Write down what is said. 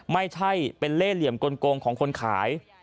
ไม่ใช่เป็นเล่เหลี่ยมกลงของคนขาย